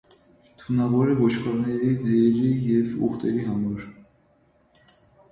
Թունավոր է ոչխարների, ձիերի և ուղտերի համար։